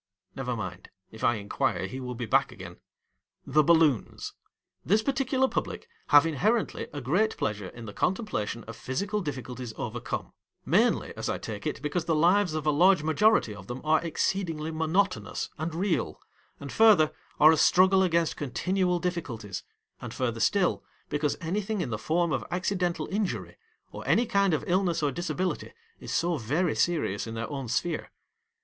Never mind ; if I inquire, he will be back again. The balloons. This particular public have inherently a great pleasure in the contempla tion of physical difficulties overcome ; mainly, as I take it, because the lives of a large majority of them are exceedingly monotonous and real, and further, are a struggle against continual difficulties, and further still, be cause anything in the form of accidental injury, or any kind of illness or disability is so very serious in their own sphere.